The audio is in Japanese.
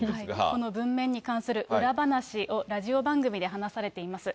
この文面に関する裏話を、ラジオ番組で話されています。